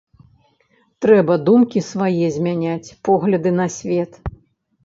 Трэба думкі свае змяняць, погляды на свет.